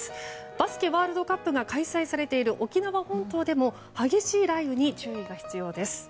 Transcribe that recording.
バスケワールドカップが開催されている沖縄本島でも激しい雷雨に注意が必要です。